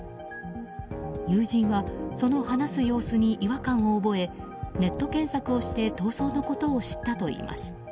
友人はその話す様子に違和感を覚えネット検索をして逃走のことを知ったといいます。